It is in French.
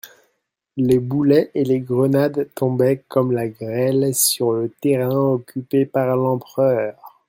Les boulets et les grenades tombaient comme la grêle sur le terrain occupé par l'empereur.